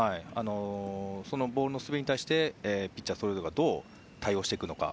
そのボールの滑りに対してピッチャーがそれぞれどう対応していくのか。